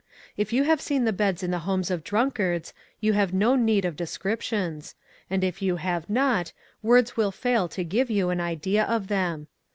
If you have seen the beds in the homes of drunkards, you have no need of descriptions ; and if you have not, words will fail to give you an idea of them.